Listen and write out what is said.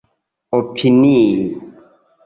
opinii